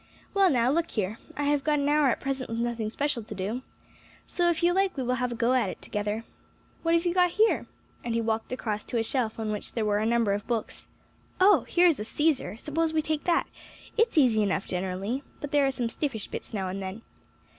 Well, now, look here; I have got an hour at present with nothing special to do, so if you like we will have a go at it together. What have you got here?" and he walked across to a shelf on which were a number of books. "Oh! here is a Cæsar; suppose we take that; it's easy enough generally, but there are some stiffish bits now and then.